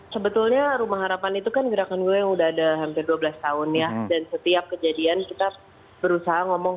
sebetulnya rumah harapan itu kan gerakan gue yang udah ada hampir dua belas tahun ya dan setiap kejadian kita berusaha ngomong